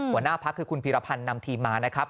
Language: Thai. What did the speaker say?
หัวหน้าพักคือคุณพิรพันธ์นำทีมมา